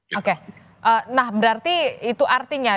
oke nah berarti itu artinya